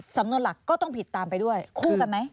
สำนวนหลักก็ต้องผิดตามไปด้วยคู่กันไหม